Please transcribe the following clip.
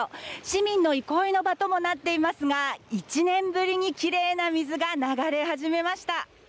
市民の憩いの場ともなっていますが１年ぶりにきれいな水が流れ始めました。